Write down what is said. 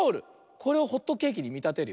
これをホットケーキにみたてるよ。